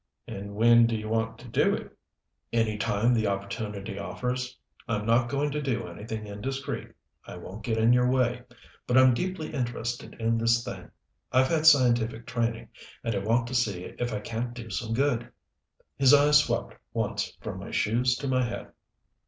"And when do you want to do it?" "Any time the opportunity offers. I'm not going to do anything indiscreet. I won't get in your way. But I'm deeply interested in this thing, I've had scientific training, and I want to see if I can't do some good." His eyes swept once from my shoes to my head.